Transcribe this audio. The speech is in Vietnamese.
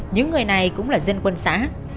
những người này cũng là dân quân xã